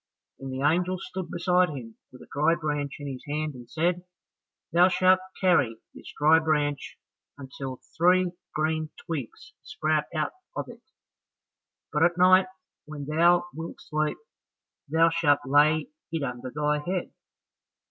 Then the angel stood beside him with a dry branch in his hand and said, "Thou shalt carry this dry branch until three green twigs sprout out of it, but at night when thou wilt sleep, thou shalt lay it under thy head.